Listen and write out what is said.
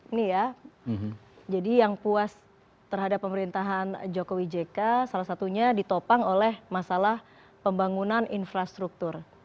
ini ya jadi yang puas terhadap pemerintahan jokowi jk salah satunya ditopang oleh masalah pembangunan infrastruktur